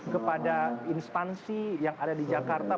kepada instansi yang ada di jakarta